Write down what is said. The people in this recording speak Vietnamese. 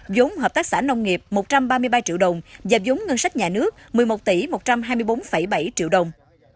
giống hợp tác xã nông nghiệp một trăm ba mươi ba triệu đồng và giống ngân sách nhà nước một mươi một tỷ một trăm hai mươi bốn bảy triệu đồng